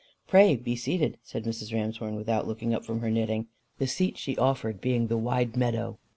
"Pray be seated," said Mrs. Ramshorn, without looking up from her knitting the seat she offered being the wide meadow.